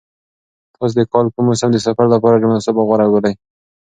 تاسو د کال کوم موسم د سفر لپاره ډېر مناسب او غوره بولئ؟